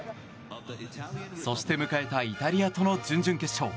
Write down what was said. そして迎えたイタリアとの準々決勝。